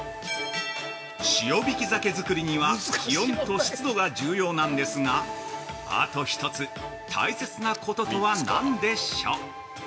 「塩引き鮭」作りには「気温」と「湿度」が重要なんですが、あと一つ、大切なこととは何でしょう？